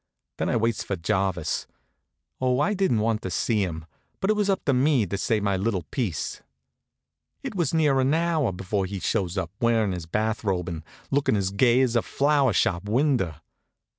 Then I waits for Jarvis. Oh, I didn't want to see him, but it was up to me to say my little piece. It was near an hour before he shows up, wearin' his bathrobe, an' lookin' as gay as a flower shop window.